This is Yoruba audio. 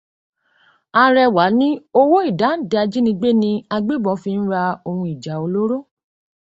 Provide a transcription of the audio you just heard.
Arẹwà ní owó ìdáǹdè ìjínigbé ni agbébọn fi ń ra ohun ìjà olóró.